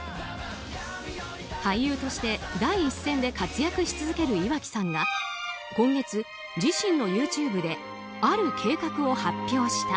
俳優として第一線で活躍し続ける岩城さんが今月、自身のＹｏｕＴｕｂｅである計画を発表した。